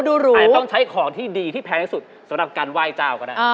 อาจจะต้องใช้ของที่ดีที่แพงที่สุดสำหรับการไหว้เจ้าก็ได้